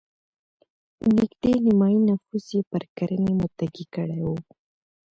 نږدې نیمايي نفوس یې پر کرنې متکي کړی و.